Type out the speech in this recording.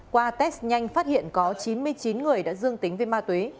qua test nhanh phát hiện có chín mươi chín người đã dương tính với ma túy